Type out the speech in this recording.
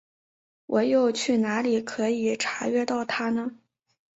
我又去哪里可以查阅到它呢？